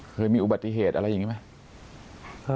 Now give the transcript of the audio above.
เคยมีอุบัติเหตุอะไรอย่างนี้ไหม